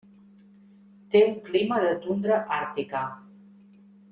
Té un clima de tundra àrtica.